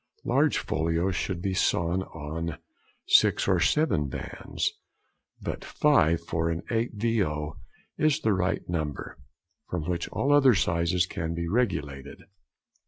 Large folios should be sawn on six or seven bands, but five for an 8vo. is the right number, from which all other sizes can be regulated.